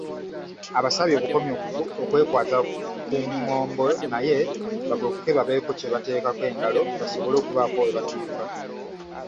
Abasabye okukomya okwekwata ku ng'ombo naye bagolokoke babeeko kye bateekako engalo basobole okubaako webatuuka.